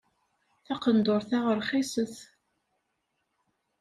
Taqendurt-a rxiset.